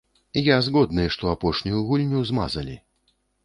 Я згодны, што апошнюю гульню змазалі.